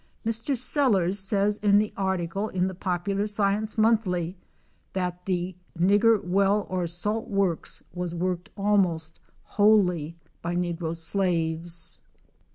Mr. Sellers says in the article in the Popular Science Monthly that the "Nigger well or salt works was worked almost wholly by negro slaves."